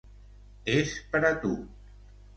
És per a tu.